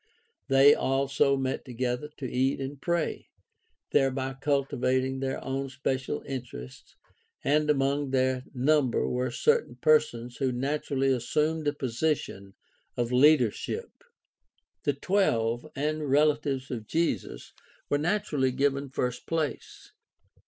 They also met together to eat and pray, thereby cultivating their own special interests, and among their number were certain persons who naturally assumed a position of leadership. The "Twelve" and relatives of Jesus were naturally given first place.